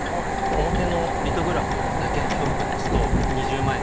表のリトグラフだけの評価ですと２０万円。